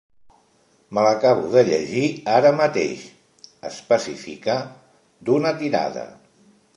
Me l'acabo de llegir ara mateix —especifica—, d'una tirada.